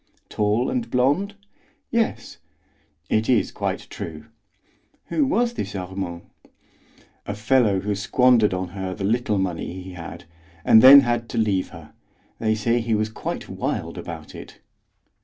"Tall and blond?" "Yes. "It is quite true." "Who was this Armand?" "A fellow who squandered on her the little money he had, and then had to leave her. They say he was quite wild about it."